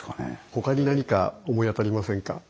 他に何か思い当たりませんか？